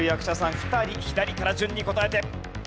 ２人左から順に答えて。